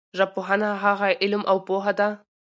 ژبپوهنه هغه علم او پوهه ده